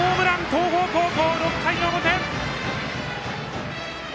東邦高校、６回の表！